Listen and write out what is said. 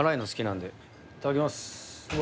いただきますうわ